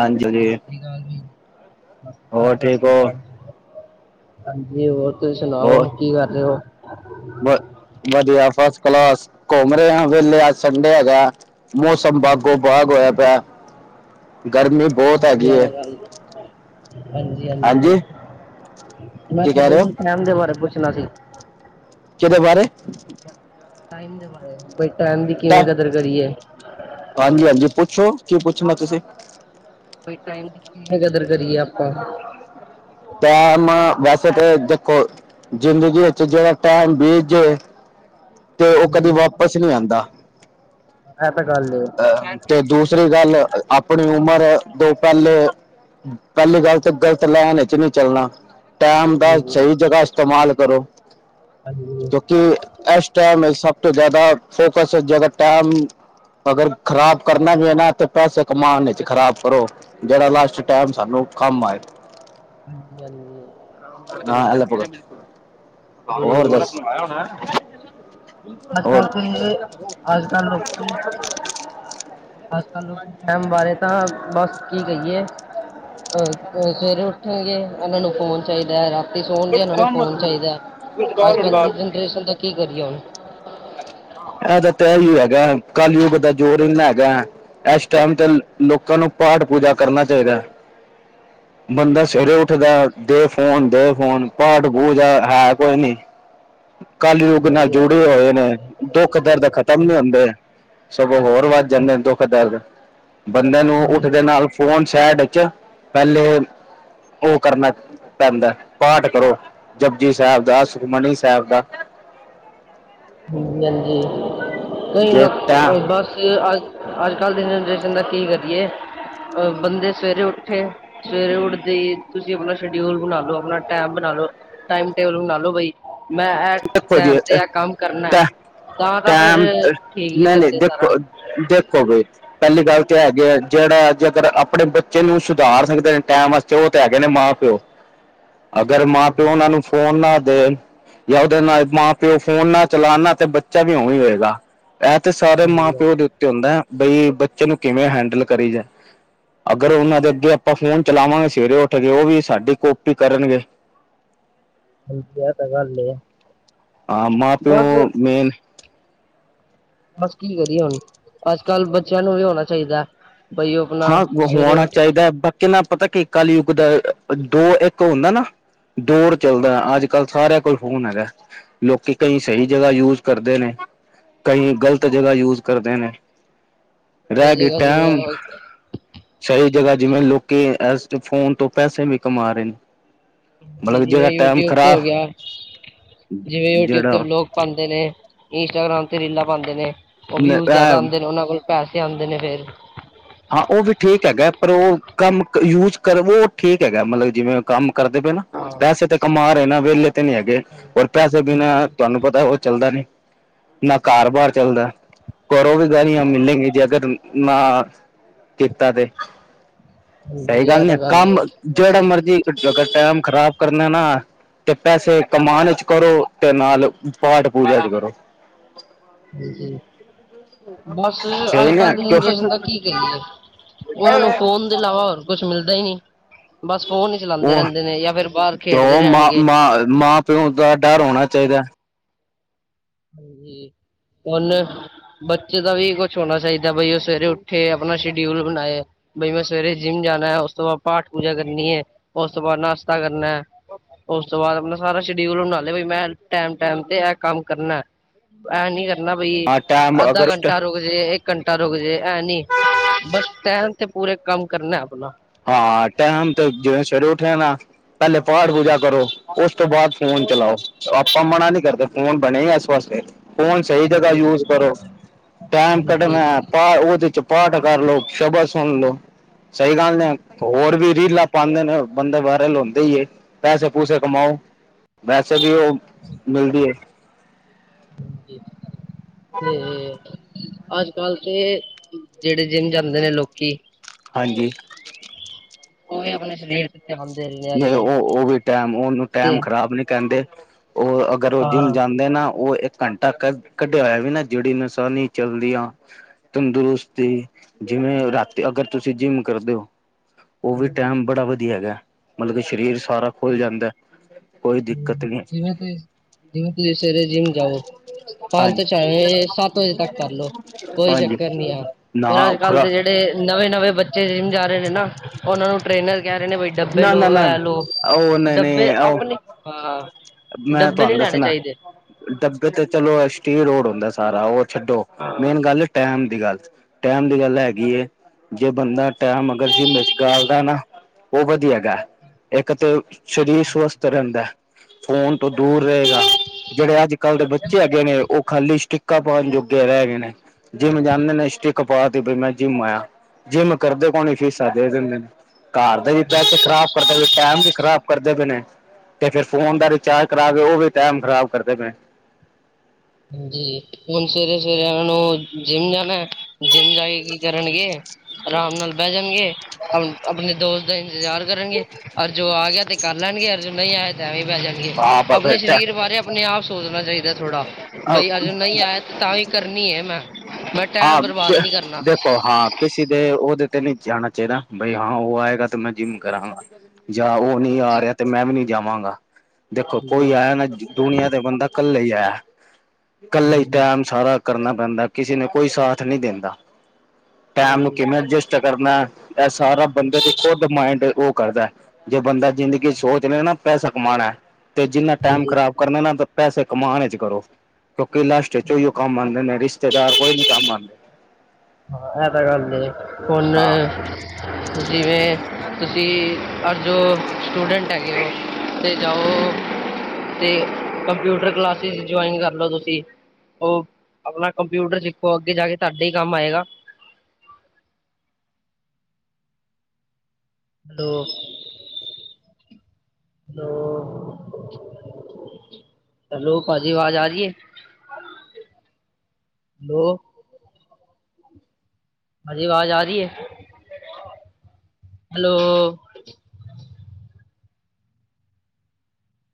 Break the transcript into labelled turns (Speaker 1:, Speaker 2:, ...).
Speaker 1: ਹਾਂਜੀ
Speaker 2: ਸਤਿ
Speaker 1: ਜੀ
Speaker 2: ਸ਼੍ਰੀ ਅਕਾਲ ਜੀ, ਸਤਿ ਸ਼੍ਰੀ ਅਕਾਲ
Speaker 1: ਹੋਰ
Speaker 2: ਸਤਿ
Speaker 1: ਠੀਕ
Speaker 2: ਸ਼੍ਰੀ
Speaker 1: ਹੋ
Speaker 2: ਅਕਾਲ ਹਾਂਜੀ, ਹੋਰ? ਤੁਸੀਂ ਸੁਣਾਓ ਕੀ ਕਰ ਰੇ ਓ?
Speaker 1: ਵ-ਵਧੀਆ ਫਸਟ ਕਲਾਸ ਘੁੰਮ ਰੇ ਆ ਵੇਲੇ ਅੱਜ ਸੰਡੇ ਹੈਗਾ। ਮੌਸਮ ਬਾਗੋ ਬਾਗ ਹੋਇਆ ਪਿਆ ਗਰਮੀ ਬਹੁਤ ਹੈਗੀ
Speaker 2: ਵਧੀਆ ਐ
Speaker 1: ਹੈ
Speaker 2: ਤਾਂ ਗੱਲ ਹਾਂਜੀ ਹਾਂਜੀ, ਮੈਂ
Speaker 1: ਕੀ ਕਹਿ
Speaker 2: ਤੁਹਾਡੇ
Speaker 1: ਰਹੇ ਹੋ
Speaker 2: ਟੈਮ ਦੇ ਬਾਰੇ ਪੁੱਛਣਾ ਸੀ।
Speaker 1: ਕਿਦੇ ਬਾਰੇ?
Speaker 2: ਟਾਈਮ ਦੇ ਬਾਰੇ ਵੀ ਟਾਈਮ ਦੀ ਕਿਵੇਂ ਕਦਰ ਕਰੀ ਏ?
Speaker 1: ਹਾਂਜੀ-ਹਾਂਜੀ, ਪੁੱਛੋ ਕੀ ਪੁੱਛਣਾ ਤੁਸੀਂ?
Speaker 2: ਵੀ ਟਾਈਮ ਦੀ ਕਿਵੇਂ ਕਦਰ ਕਰੀਏ ਆਪਾਂ
Speaker 1: ਟਾਈਮ ਵੈਸੇ ਤਾਂ ਦੇਖੋ ਜ਼ਿੰਦਗੀ ਵਿੱਚ ਜੇੜਾ ਟਾਈਮ ਬੀਤ ਜੇ। ਤੇ ਉਹ
Speaker 2: ਹਾਂਜੀ,
Speaker 1: ਕਦੀ ਵਾਪਿਸ ਨੀ ਆਂਦਾ।
Speaker 2: ਐ ਤਾਂ ਗੱਲ ਏ
Speaker 1: ਤੇ ਦੂਸਰੀ ਗੱਲ ਆਪਣੀ ਉਮਰ ਦੇ ਪੈਲੇ ਪਹਿਲੀ ਗੱਲ ਤੇ ਗ਼ਲਤ ਲੈਨ ਵਿੱਚ ਨੀ ਚੱਲਣਾ ਟੈਮ ਦਾ ਸਹੀ
Speaker 2: ਹਾਂਜੀ-ਹਾਂਜੀ।
Speaker 1: ਜਗ੍ਹਾ ਇਸਤੇਮਾਲ ਕਰੋ ਕਿ ਇਸ ਟੈਮ ਸਭ ਤੋਂ ਜ਼ਿਆਦਾ ਫੋਕਸ [unintelligible] ਟੈਮ ਅਗਰ ਖ਼ਰਾਬ ਕਰਨਾ ਵੀ ਐ ਨਾ ਤੇ ਪੈਸੇ ਕਮਾਣ ਵਿੱਚ ਖ਼ਰਾਬ ਕਰੋ। ਜਿਹੜਾ ਲਾਸਟ ਟੈਮ ਸਾਨੂੰ ਕੰਮ ਆਏ ਨਾ ਐਲਪ
Speaker 2: ਹਾਂਜੀ-ਹਾਂਜੀ। ਤੇ
Speaker 1: ਹੋਰ ਦੱਸ? ਹੋਰ
Speaker 2: ਅੱਜ-ਕੱਲ ਤੇ ਅੱਜ-ਕੱਲ ਲੋਕੀ ਅੱਜ-ਕੱਲ ਲੋਕੀ ਟਾਈਮ ਬਾਰੇ ਤਾਂ ਬਸ ਕੀ ਕਹੀਏ ਅ
Speaker 1: [unintelligible]
Speaker 2: ਸਵੇਰੇ ਉੱਠਣਗੇ ਇਹਨਾਂ ਨੂੰ ਫੋਨ ਚਾਹੀਦਾ ਰਾਤੀ ਸੌਣਗੇ ਇਹਨਾਂ ਨੂੰ
Speaker 1: ਲਟਕਾ
Speaker 2: ਫੋਨ ਚਾਹੀਦਾ। ਅੱਜ-ਕੱਲ ਦੀ ਜਨਰੇਸ਼ਨ ਦਾ ਕੀ ਕਰੀਏ ਹੁਣ
Speaker 1: ਏਦਾਂ ਤਾਂ ਇਹੀ ਹੈਗਾ ਕੱਲਯੁੱਗ ਦਾ ਜ਼ੋਰ ਇੰਨਾ ਹੈਗਾ ਏਸ ਟੈਮ ਤੇ ਲੋਕਾਂ ਨੂੰ ਪਾਠ ਪੂਜਾ ਕਰਨਾ ਚਾਹੀਦਾ।
Speaker 2: [inaudible]
Speaker 1: ਬੰਦਾ ਸਵੇਰੇ ਉੱਠਦਾ ਦੇ ਫੋਨ ਦੇ ਫੋਨ ਪਾਠ ਪੂਜਾ ਹੈ ਕੋਈ ਨੀ। ਕੱਲਯੁੱਗ ਨਾਲ
Speaker 2: ਹਾਂਜੀ
Speaker 1: ਜੁੜੇ ਹੋਏ ਨੇ ਦੁੱਖ ਦਰਦ ਖ਼ਤਮ ਨੀ ਹੁੰਦੇ। ਸਗੋਂ ਹੋਰ ਵੱਧ ਜਾਂਦੇ ਨੇ ਦੁੱਖ ਦਰਦ ਬੰਦੇ ਨੂੰ ਉੱਠਦੇ ਨਾਲ ਫੋਨ ਸੈਡ ਚ' ਪਹਿਲੇ ਉਹ ਕਰਨਾ ਪੈਂਦਾ ਪਾਠ ਕਰੋ ਜਪਜੀ ਸਾਹਿਬ ਦਾ ਸੁਖਮਨੀ ਸਾਹਿਬ ਦਾ
Speaker 2: ਹਾਂਜੀ ਹਾਂਜੀ ਕਈ
Speaker 1: ਜੇ
Speaker 2: ਲੋਕ
Speaker 1: ਟਾ
Speaker 2: ਬਸ ਅੱਜ ਅੱਜ ਕੱਲ੍ਹ ਦੀ ਜਨਰੇਸ਼ਨ ਦਾ ਕੀ ਕਰੀਏ ਬੰਦੇ ਸਵੇਰੇ ਉੱਠੇ ਸਵੇਰੇ ਉੱਠਦੇ ਹੀ ਤੁਸੀਂ ਆਪਣਾ ਸ਼ਡਿਊਲ ਬਣਾਲੋ ਆਪਣਾ ਟੈਮ ਬਣਾਲੋ ਟਾਈਮ ਟੇਬਲ ਬਣਾਲੋ ਬਈ ਮੈਂ ਇਹ
Speaker 1: ਦੇਖੋ
Speaker 2: ਟੈਮ
Speaker 1: ਜੀ
Speaker 2: ਤੇ ਆ ਕੰਮ ਕਰਨਾ
Speaker 1: ਟਾ
Speaker 2: ਤਾਂ ਤਾਂ ਫੇਰ
Speaker 1: ਟਾਈਮ
Speaker 2: ਠੀਕ ਹੀ
Speaker 1: ਨਹੀਂ ਨਹੀਂ
Speaker 2: ਚੱਲਦੇ ਸਾਰਾ
Speaker 1: ਦੇਖੋ ਦੇਖੋ ਬਈ ਪਹਿਲੀ ਗੱਲ ਤਾਂ ਹੈਗੀ ਆ ਜਿਹੜਾ ਜੇਕਰ ਆਪਣੇ ਬੱਚੇ ਨੂੰ ਸੁਧਾਰ ਸਕਦੇ ਨੇ ਟੈਮ ਚ ਉਹ ਤੇ ਹੈਗੇ ਨੇ ਮਾਂ ਪਿਓ
Speaker 2: ਠੀਕ
Speaker 1: ਅਗਰ ਮਾਂ ਪਿਓ ਉਹਨਾਂ ਨੂੰ ਫੋਨ ਨਾ ਦੇਣ ਜਾਂ ਉਹਦੇ ਨਾਲ ਮਾਂ ਪਿਓ ਫੋਨ ਨਾਲ ਚਲਾਨ ਤੇ ਬੱਚਾ ਵੀ ਉਵੇਂ ਹੀ ਹੋਏਗਾ ਇਹ ਤੇ ਸਾਰੇ ਮਾਂ
Speaker 2: ਹਾਂਜੀ
Speaker 1: ਪਿਓ ਦੇ
Speaker 2: ਹਾਂਜੀ
Speaker 1: ਉੱਤੇ ਹੁੰਦਾ ਹੈ ਬਈ ਬੱਚੇ ਨੂੰ ਕਿਵੇਂ ਹੈਂਡਲ ਕਰੀਦਾ। ਅਗਰ ਉਹਨਾਂ ਦੇ ਅੱਗੇ ਆਪਾਂ ਫੋਨ ਚਲਾਵਾਂਗੇ ਸਵੇਰੇ ਉੱਠ ਕੇ ਉਹ ਵੀ ਸਾਡੀ ਕਾਪੀ ਕਰਨਗੇ
Speaker 2: ਹਾਂਜੀ ਇਹ ਤਾਂ ਗੱਲ ਏ
Speaker 1: ਹਾਂ ਮਾਂ ਪਿਉ ਮੇਨ
Speaker 2: ਬਸ ਕੀ ਕਰੀਏ ਹੁਣ ਅੱਜ ਕੱਲ੍ਹ ਬੱਚਿਆਂ ਨੂੰ ਇਹ ਹੋਣਾ ਚਾਹੀਦਾ ਬਾਈ ਉਹ ਆਪਣਾ
Speaker 1: ਹਾਂ ਉਹ
Speaker 2: ਸਵੇਰੇ
Speaker 1: ਹੋਣਾ
Speaker 2: ਉੱਠ
Speaker 1: ਚਾਹੀਦਾ ਬਾਕੀ ਨਾ ਪਤਾ ਕਿ ਕਾਲਯੁੱਗ ਦਾ ਦੋ ਇੱਕ ਹੁੰਦਾ ਨਾ ਦੋਰ ਚੱਲਦਾ ਅੱਜ ਕੱਲ੍ਹ ਸਾਰਿਆਂ ਕੋਲ ਫੋਨ ਹੈਗਾ ਲੋਕੀ ਕਈ ਸਹੀ ਜਗ੍ਹਾ ਯੂਜ ਕਰਦੇ ਨੇ ਕਈ ਗ਼ਲਤ ਜਗ੍ਹਾ ਯੂਜ ਕਰਦੇ ਨੇ
Speaker 2: ਕਈ
Speaker 1: ਰਹਿ ਗਈ
Speaker 2: ਜਗਾ ਜਿਵੇਂ
Speaker 1: ਟਾਈਮ ਸਹੀ ਜਗ੍ਹਾ ਜਿਵੇਂ ਲੋਕੀ ਇਸ ਫੋਨ ਤੋਂ ਪੈਸੇ ਵੀ ਕਮਾ ਰਹੇ ਨੇ
Speaker 2: ਜੀ
Speaker 1: ਮਤਲਬ
Speaker 2: ਜਿਵੇਂ
Speaker 1: ਜਿਹੜਾ ਟਾਈਮ
Speaker 2: ਯੂਟੀਊਬ ਤੋਂ
Speaker 1: ਖ਼ਰਾਬ
Speaker 2: ਹੋ ਗਿਆ ਜਿਵੇਂ ਯੂਟੀਊਬ ਤੇ ਵਲੋਗ ਪਾਉਂਦੇ ਨੇ ਇੰਸਟਾਗ੍ਰਾਮ ਤੇ ਰੀਲਾਂ ਪਾਉਂਦੇ ਨੇ ਉਹ ਵਿਊਜ਼ ਜ਼ਿਆਦਾ
Speaker 1: ਜਿਹੜਾ
Speaker 2: ਆਉਂਦੇ ਨੇ ਉਹਨਾਂ ਕੋਲ ਪੈਸੇ ਆਉਂਦੇ ਨੇ ਫੇਰ
Speaker 1: ਹਾਂ ਉਹ ਵੀ ਠੀਕ ਹੈਗਾ ਪਰ ਉਹ ਕੰਮ ਯੂਜ ਕਰ ਉਹ ਠੀਕ ਹੈਗਾ ਮਤਲਬ ਜਿਵੇਂ ਕੰਮ ਕਰਦੇ ਪਏ ਨਾ ਪੈਸੇ ਤੇ ਕਮਾ ਰਹੇ ਨਾ ਵਿਹਲੇ ਨਹੀਂ ਹੈਗੇ ਹੋਰ ਪੈਸੇ ਬਿਨਾਂ ਤੁਹਾਨੂੰ ਪਤਾ ਉਹ ਚੱਲਦਾ ਨਹੀਂ। ਨਾ ਘਰ ਬਾਰ ਚੱਲਦਾ ਕਰੋਗੇ ਨੀ
Speaker 2: ਹਾਂਜੀ
Speaker 1: ਮਿਲੇਗੇ ਜੇ ਅਗਰ ਨਾ ਕੀਤਾ ਤੇ ਸਹੀ ਗੱਲ
Speaker 2: ਇਹ
Speaker 1: ਨੀ ਆ
Speaker 2: ਤਾਂ ਹੈ
Speaker 1: ਕੰਮ ਜਿਹੜਾ ਮਰਜ਼ੀ ਜੇ ਅਗਰ ਟੈਮ ਖਰਾਬ ਕਰਨਾ ਨਾ। ਤੇ ਪੈਸੇ ਕਮਾਉਣ ਚ ਕਰੋ ਤੇ ਨਾਲ ਪਾਠ ਪੂਜਾ ਚ ਕਰੋ।
Speaker 2: ਹਾਂਜੀ ਬਸ
Speaker 1: ਸਹੀ
Speaker 2: ਅੱਜ
Speaker 1: ਨਾ
Speaker 2: ਕੱਲ੍ਹ ਦੀ ਜਨਰੇਸ਼ਨ ਦਾ ਕੀ ਕਹੀਏ ਉਹਨਾਂ ਨੂੰ ਫੋਨ ਦੇ ਇਲਾਵਾ ਹੋਰ ਕੁਛ ਮਿਲਦਾ ਹੀ ਨਹੀਂ ਬਸ ਫੋਨ ਹੀ ਚਲਾਉਂਦੇ
Speaker 1: ਉਹ
Speaker 2: ਰਹਿੰਦੇ ਨੇ ਜਾਂ ਫਿਰ ਬਾਹਰ ਖੇਡਦੇ ਰਹਿਣਗੇ।
Speaker 1: ਔਰ ਮਾਂ ਪਿਉ ਦਾ ਡਰ ਹੋਣਾ ਚਾਹੀਦਾ।
Speaker 2: ਹਾਂਜੀ ਹੁਨ। ਬੱਚੇ ਦਾ ਵੀ ਕੁਛ ਹੋਣਾ ਚਾਹੀਦਾ ਬਈ ਉਹ ਸਵੇਰੇ ਉੱਠੇ ਆਪਣਾ ਸ਼ਡਿਊਲ ਬਣਾਏ। ਕਈ ਵਾਰ ਸਵੇਰੇ ਜਿੰਮ ਜਾਣਾ ਹੈ ਉਸ ਤੋਂ ਬਾਅਦ ਪਾਠ ਪੂਜਾ ਕਰਨੀ ਹੈ ਉਸ ਤੋਂ ਬਾਅਦ ਨਾਸ਼ਤਾ ਕਰਨਾ ਹੈ। ਉਸ ਤੋਂ ਬਾਅਦ ਆਪਣਾ ਸਾਰਾ ਸ਼ਡਿਊਲ ਬਣਾ ਲਏ ਬਈ ਮੈਂ ਟੈਨ ਟੈਮ ਤੇ ਇਹ ਕੰਮ ਕਰਨਾ ਐਂ ਨੀ ਕਰਨਾ ਬਈ ਅੱਧਾ ਘੰਟਾ ਰੁ ਜੇ ਇਹ ਘੰਟਾ ਰੁਕ ਜੇ ਐ ਨੀ ਬਸ ਟੈਮ ਤੇ ਪੂਰੇ ਕੰਮ ਕਰਨਾ ਆਪਣਾ।
Speaker 1: ਹਾਂ ਟੇਮ ਤੇ ਜਿਵੇਂ ਸਵੇਰੇ ਉੱਠਿਆ ਨਾ। ਪਹਿਲੇ ਪਾਠ ਪੂਜਾ ਕਰੋ ਉਸ ਤੋਂ ਬਾਅਦ ਫੋਨ ਚਲਾਓ ਆਪਾਂ ਮਨਾ ਨਹੀਂ ਕਰਦੇ ਫੋਨ ਬਣੇ ਆ ਇਸ ਵਾਸਤੇ। ਫੋਨ ਸਹੀ ਜਗ੍ਹਾ ਯੂਜ ਕਰੋ ਟੈਮ
Speaker 2: ਹਾਂਜੀ
Speaker 1: ਕੱਢਣਾ ਆ ਪਾ ਉਹਦੇ ਚ ਪਾਠ ਕਰ ਲਓ ਸ਼ਬਦ ਸੁਣ ਲਓ ਸਹੀ ਗੱਲ ਏ ਨਾ ਹੋਰ ਵੀ ਰੀਲਾਂ ਪਾਉਂਦੇ ਨੇ ਬੰਦੇ ਵਾਇਰਲ ਹੁੰਦੇ ਹੀ ਏ ਪੈਸੇ ਪੂਸੇ ਕਮਾਓ। ਵੈਸੇ ਵੀ ਉਹ ਮਿਲਦੀ ਹੈ।
Speaker 2: ਜੀ ਜੀ ਜੀ ਤੇ ਅੱਜ ਕੱਲ ਤੇ ਜਿਹੜੇ ਜਿੰਮ ਜਾਂਦੇ ਨੇ ਲੋਕੀ।
Speaker 1: ਹਾਂਜੀ।
Speaker 2: ਉਹ ਵੀ ਆਪਣੇ ਸ਼ਰੀਰ
Speaker 1: ਨਹੀਂ ਉਹ ਉਹ ਵੀ ਟੈਮ ਉਹਨੂੰ
Speaker 2: ਤੇ
Speaker 1: ਟੈਮ ਖ਼ਰਾਬ ਨਹੀਂ ਕਹਿੰਦੇ ਉਹ ਅਗਰ ਉਹ ਜਿੰਮ
Speaker 2: ਹਾਂ
Speaker 1: ਜਾਂਦਾ। ਹੁੰਦੇ ਨਾ ਉਹ ਇੱਕ ਘੰਟਾ ਕ ਕਢਿਆ ਹੋਇਆ ਵੀ ਨਾ ਜਿੜੀ ਨਸਾ ਨੀ ਚੱਲਦੀਆਂ। ਤੰਦਰੁਸਤੀ ਜਿਵੇਂ ਰਾਤੀ ਅਗਰ ਤੁਸੀਂ ਜਿੰਮ ਕਰਦੇ ਹੋ। ਉਹ ਵੀ ਟੈਮ ਬੜਾ ਵਧੀਆ ਹੈਗਾ ਮਤਲਬ ਕਿ ਸਰੀਰ ਸਾਰਾ ਖੁੱਲ ਜਾਂਦਾ ਹੈ।
Speaker 2: ਜਿਵੇਂ ਤੁਸੀ ਜਿਵੇਂ ਤੁਸੀ ਸਵੇਰੇ ਜਿਮ ਜਾਉ ਬਾਅਦ ਚ
Speaker 1: ਹਾਂਜੀ
Speaker 2: ਚਾਹੇ ਸੱਤ ਵਜੇ ਤੱਕ ਕਰਲੋ ਕੋਈ
Speaker 1: ਹਾਂਜੀ
Speaker 2: ਚੱਕਰ ਨੀ ਯਾਰ ਪਰ
Speaker 1: ਨਾ
Speaker 2: ਅੱਜ ਕੱਲ
Speaker 1: ਖੁਰਾ
Speaker 2: ਦੇ ਜਿਹੜੇ ਤੇ ਨਵੇਂ ਨਵੇਂ ਬੱਚੇ ਜਿਮ ਜਾ ਰਹੇ ਨੇ ਨਾ ਉਹਨਾਂ ਨੂੰ ਟ੍ਰੇਨਰ ਕਹਿ ਰਹੇ ਨੇ ਬ ਡੱਬੇ
Speaker 1: ਨਾ
Speaker 2: ਲੋ
Speaker 1: ਨਾ ਨਾ
Speaker 2: ਇਹ ਲੌ
Speaker 1: ਉਹ ਨਹੀਂ
Speaker 2: ਡੱਬੇ
Speaker 1: ਨਹੀਂ ਉਹ
Speaker 2: ਆਪਣੇ ਹਾਂ
Speaker 1: ਮੈਂ
Speaker 2: ਡੱਬੇ ਨਹੀਂ
Speaker 1: ਤੁਹਾਨੂੰ
Speaker 2: ਸੀ ਲੈਣੇ
Speaker 1: ਦੱਸਣਾ
Speaker 2: ਚਾਹੀਦੇ।
Speaker 1: ਡੱਬੇ ਤੇ ਚਲੋ ਸਟੀਰੋਡ ਹੁੰਦਾ ਸਾਰਾ ਉਹ ਛੱਡੋ ਮੇਨ ਗੱਲ ਟੇਮ ਦੀ ਗੱਲ ਟੈਮ ਦੀ ਗੱਲ ਇਹ ਹੈਗੀ ਜੇ ਬੰਦਾ ਟੈਮ ਅਗਰ ਜ਼ਿਮ ਵਿੱਚ ਗਾਲਦਾ ਨਾ। ਉਹ ਵਧੀਆ ਹੈਗਾ ਇੱਕ ਤਾਂ ਸਰੀਰ ਸਵਸਥ ਰਹਿੰਦਾ। ਫੋਨ ਤੋਂ ਦੂਰ ਰਹੇਗਾ ਜਿਹੜੇ ਅੱਜ ਕੱਲ ਦੇ ਬੱਚੇ ਹੈਗੇ ਨੇ ਉਹ ਖਾਲੀ ਸਟਿਕਾਂ ਪਾਉਣ ਜੋਗੇ ਰਹਿ ਗਏ ਨੇ। ਜਿੰਮ ਜਾਂਦੇ ਨੇ ਸਟਿਕ ਪਾਤੀ ਬਈ ਮੈਂ ਜਿੰਮ ਆਇਆ ਜਿੰਮ ਕਰਦੇ ਪਾਣੀ ਫੀਸਾਂ ਦੇ ਦਿੰਦੇ ਨੇ। ਘਰ ਦੇ ਵੀ ਪੈਸੇ ਖ਼ਰਾਬ ਕਰਦੇ ਪਏ ਟਾਇਮ ਵੀ ਖਰਾਬ ਕਰਦੇ ਪਏ ਨੇ। ਤੇ ਫਿਰ ਫੋਨ ਦਾ ਰਿਚਾਰਜ ਕਰਾ ਕੇ ਉਹ ਵੀ ਟਾਈਮ ਖਰਾਬ ਕਰਦੇ ਪਏ।
Speaker 2: ਹਾਂਜੀ। ਹੁਣ ਸਵੇਰੇ ਸਵੇਰੇ ਉਹਨਾਂ ਨੂੰ ਜਿੰਮ ਜਾਣਾ ਜਿੰਮ ਜਾ ਕੇ ਕੀ ਕਰਨਗੇ। ਆਰਾਮ ਨਾਲ ਬਹਿ ਜਾਣਗੇ ਆਪਣੇ ਦੋਸਤ। ਦਾ ਇੰਤਜ਼ਾਰ ਕਰਨਗੇ ਔਰ ਜੋ ਆ ਗਿਆ ਤੇ ਕਰ ਲੈਣਗੇ ਔਰ ਜੋ ਨਹੀਂ ਆਏ। ਐਵੇਂ ਬੈ ਜਾਣਗੇ
Speaker 1: ਹਾਂ ਬ
Speaker 2: ਆਪਣੇ
Speaker 1: ਬੇਟਾ
Speaker 2: ਸਰੀਰ ਬਾਰੇ ਆਪਣੇ ਆਪ ਸੋਚਣਾ ਚਾਹੀਦਾ ਥੋੜਾ। ਬਾਈ ਅਜ ਨਹੀਂ ਆਇਆ ਤਾਂ ਵੀ ਕਰਨੀ ਹੈ ਮੈਂ ਬਟ
Speaker 1: ਹਾਂ ਦੇਖੋ ਹਾਂ। ਕਿਸੇ ਦੇ ਉਹਦੇ ਤੇ ਨਹੀਂ ਜਾਣਾ ਚਾਹੀਦਾ ਬਈ ਹਾਂ ਉਹ ਆਏਗਾ ਤੇ ਮੈਂ ਜਿੰਮ ਕਰਾਂਗਾ। ਜਾਂ ਉਹ ਨਹੀਂ
Speaker 2: ਹਾਂਜੀ
Speaker 1: ਆ ਰਿਹਾ ਤੇ ਮੈਂ ਵੀ ਨਹੀਂ ਜਾਵਾਂਗਾ ਦੇਖੋ ਕੋਈ
Speaker 2: ਹਾਂਜੀ
Speaker 1: ਆਇਆ ਨਾ ਦੁਨੀਆਂ ਤੇ ਬੰਦਾ ਇਕੱਲੇ ਹੀ ਆਇਆ ਇਕੱਲਾ
Speaker 2: ਹਾਂਜੀ
Speaker 1: ਟਾਈਮ ਸਾਰਾ ਕਰਨਾ ਪੈਂਦਾ ਕਿਸੇ ਨੇ ਕੋਈ ਸਾਥ ਨਹੀਂ ਦਿੰਦਾ ਟੈਮ ਨੂੰ ਕਿਵੇਂ ਐਡਜਸਟ ਐਡਜਸਟ ਕਰਨਾ ਇਹ ਸਾਰਾ ਬੰਦੇ ਦੇ ਖੁਦ ਮਾਇੰਡ ਉਹ ਕਰਦਾ। ਜੇ ਬੰਦਾ ਜ਼ਿੰਦਗੀ ਚ ਸੋਚ ਲਏ ਨਾ ਪੈਸਾ ਕਮਾਉਣਾ ਤੇ ਜਿੰਨਾ ਟਾਈਮ
Speaker 2: ਹਮ
Speaker 1: ਖ਼ਰਾਬ ਕਰਨਾ ਨਾ ਪੈਸੇ ਕਮਾਣ ਇਚ ਕਰੋ। ਕਿਉਕਿ ਲਾਸਟ ਇਚ ਉਹੀਓ ਕੰਮ ਆਦੇ ਨੇ ਰਿਸ਼ਤੇਦਾਰ ਕੋਈ ਨੀ ਕੰਮ ਆਦਾ।
Speaker 2: ਹਾਂ ਐ ਤਾਂ ਗੱਲ ਠੀਕ ਹੈ ਹੁਨ
Speaker 1: ਹਾਂ
Speaker 2: ਜਿਵੇਂ ਤੁਸੀਂ ਅੱਜ ਜੋ ਸਟੂਡੈਂਟ ਹੈਗੇ ਨੇ ਤੇ ਜਾਓ ਤੇ ਕੰਪਿਊਟਰ ਕਲਾਸਿਸ ਜੁਆਇਨ ਕਰਲੋ ਤੁਸੀਂ। ਓ ਆਪਣਾ ਕੰਪਿਊਟਰ ਸਿੱਖੋ ਅੱਗੇ ਜਾ ਕੇ ਤੁਹਾਡਾ ਈ ਕੰਮ ਆਏਗਾ। [unintelligible] ਹੈਲੋ ਭਾਜੀ ਆਵਾਜ਼ ਆਰੀ ਏ। ਹੈਲੋ। ਹਾਂਜੀ, ਵਾਜ਼ ਆ ਰੀ ਐ ਹੈਲੋ।